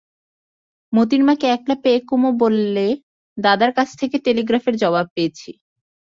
মোতির মাকে একলা পেয়ে কুমু বললে, দাদার কাছ থেকে টেলিগ্রাফের জবাব পেয়েছি।